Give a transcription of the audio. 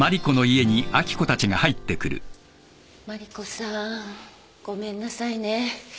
麻里子さんごめんなさいね。